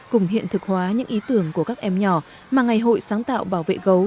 cùng hiện thực hóa những ý tưởng của các em nhỏ mà ngày hội sáng tạo bảo vệ gấu